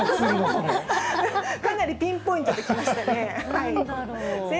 かなりピンポイントできましなんだろう。